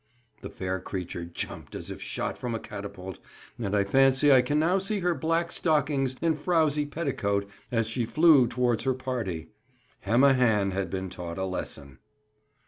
The fair creature jumped as if shot from a catapult, and I fancy I can now see her black stockings and frowzy petticoat as she flew towards her party. Hemma Hann had been taught a lesson!